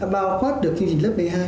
bào khoát được chương trình lớp một mươi hai